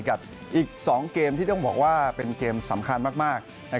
กับอีก๒เกมที่ต้องบอกว่าเป็นเกมสำคัญมาก